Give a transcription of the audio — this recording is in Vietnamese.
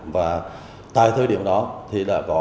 và tại thời điểm đó